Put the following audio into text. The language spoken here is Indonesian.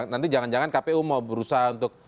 nanti jangan jangan kpu mau berusaha untuk